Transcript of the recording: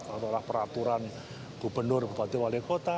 atau peraturan gubernur bupati wali kota